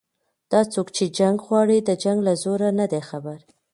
دا څوک چې جنګ غواړي د جنګ له زوره نه دي خبر